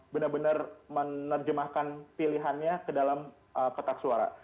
benar benar menerjemahkan pilihannya ke dalam petak suara